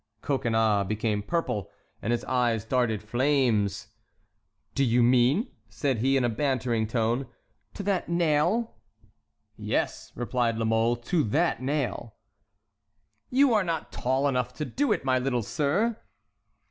Coconnas became purple, and his eyes darted flames. "Do you mean," said he in a bantering tone, "to that nail?" "Yes," replied La Mole, "to that nail." "You are not tall enough to do it, my little sir!"